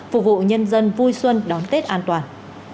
phục vụ nhân dân vui xuân đón tết an toàn